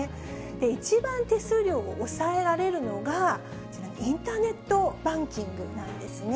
一番手数料を抑えられるのが、インターネットバンキングなんですね。